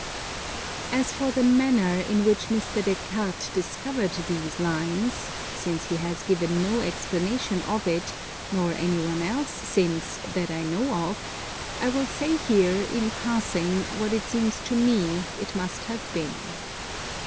As for the manner in which Mr. Des Cartes discovered these lines, since he has given no explanation of it, nor any one else since that I know of, I will say here, in passing, what it seems to me it must have been.